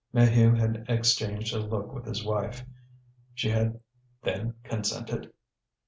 Maheu had exchanged a look with his wife. She had then consented?